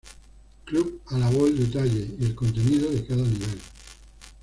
Club" alabó el detalle y el contenido de cada nivel.